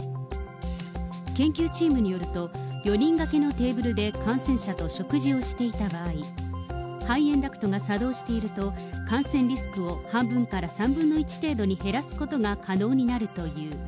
研究チームによると、４人掛けのテーブルで感染者と食事をしていた場合、排煙ダクトが作動していると、感染リスクを半分から３分の１程度に減らすことが可能になるという。